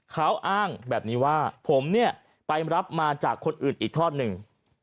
เขาอ้างแบบนี้ว่าผมเนี่ยไปรับมาจากคนอื่นอีกทอดหนึ่ง